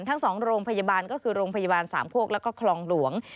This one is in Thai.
ทั้ง๒โรงพยาบาลก็คือโรงพยาบาลสามโคกแล้วก็คลองหลวง